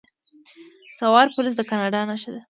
سوار پولیس د کاناډا نښه ده.